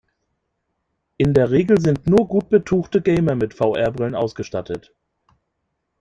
In der Regel sind nur gut betuchte Gamer mit VR-Brillen ausgestattet.